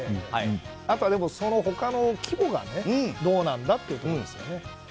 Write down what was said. あとはその他の規模がねどうなんだっていうところですよね。